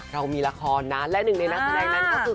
เรามีละครนะและหนึ่งในนักแสดงนั้นก็คือ